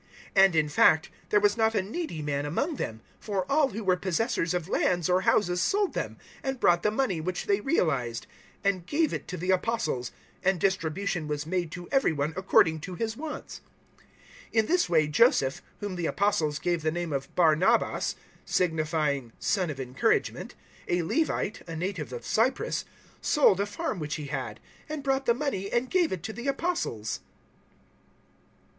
004:034 And, in fact, there was not a needy man among them, for all who were possessors of lands or houses sold them, and brought the money which they realised, 004:035 and gave it to the Apostles, and distribution was made to every one according to his wants. 004:036 In this way Joseph, whom the Apostles gave the name of Bar nabas signifying `Son of Encouragement' a Levite, a native of Cyprus, 004:037 sold a farm which he had, and brought the money and gave it to the Apostles.